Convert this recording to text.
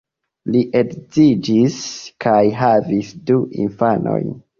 Li edziĝis kaj havis du infanojn.